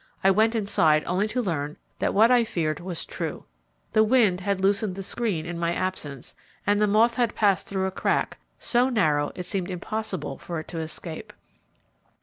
I went inside, only to learn that what I feared was true. The wind had loosened the screen in my absence, and the moth had passed through a crack, so narrow it seemed impossible for it to escape.